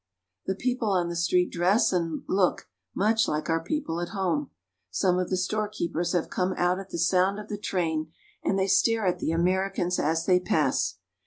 The people on the street dress and look much like our people at home. Some of the storekeepers have come out at the sound of the train, and they stare at the Ameri cans as they pass.